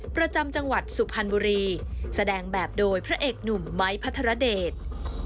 ประจำจังหวัดสุพรรณบุรีแสดงแบบโดยพระเอกหนุ่มไม้พัทรเดช